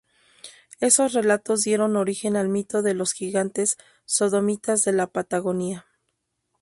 Esos relatos dieron origen al mito de los gigantes sodomitas de la Patagonia.